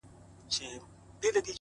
o مه کوه گمان د ليوني گلي ،